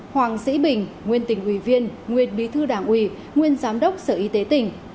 hoàng sĩ bình nguyên tỉnh ủy viên nguyên bí thư đảng ủy nguyên giám đốc sở y tế tỉnh